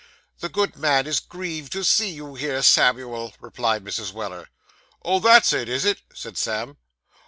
'The good man is grieved to see you here, Samuel,' replied Mrs. Weller. 'Oh, that's it, is it?' said Sam.